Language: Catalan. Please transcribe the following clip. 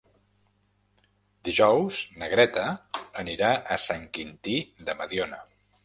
Dijous na Greta anirà a Sant Quintí de Mediona.